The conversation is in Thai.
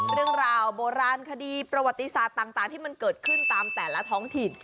เรื่องราวโบราณคดีประวัติศาสตร์ต่างที่มันเกิดขึ้นตามแต่ละท้องถิ่น